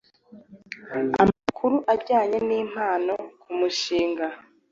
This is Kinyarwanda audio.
Amakuru ajyanye nimpano kumushinga